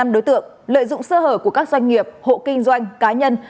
năm đối tượng lợi dụng sarah của các doanh nghiệp hộ kinh doanh cá nhân